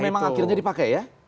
oh yang memang akhirnya dipakai ya